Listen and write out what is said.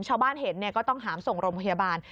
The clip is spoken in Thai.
ชาวบ้านเห็นก็ต้องหามส่งโรงพยาบาล